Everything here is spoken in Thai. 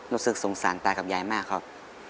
รู้สึกสงสารตากับยายมากครับ